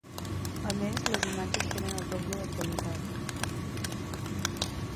A més les imatges tenen el doble de qualitat.